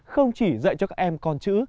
không chỉ dạy cho các em con chữ